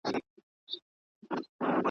چي د هر شعر په لیکلو به یې ډېر زیات وخت ,